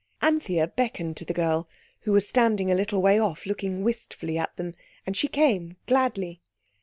Anthea beckoned to the girl, who was standing a little way off looking wistfully at them, and she came gladly.